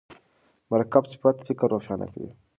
مرکب صفت فکر روښانه کوي.